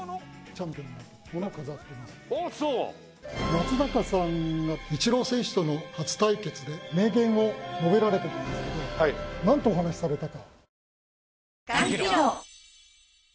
松坂さんがイチロー選手との初対決で名言を述べられているんですけどなんとお話しされたか。